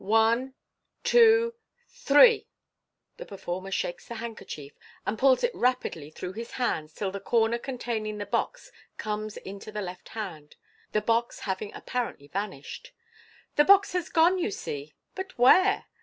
One, two, three !" The performer shakes the handkerchief and pulls it rapidly through his hands till the corner containing the box comes into the left hand, the box having apparently vanished. " The box has gone, you see, but where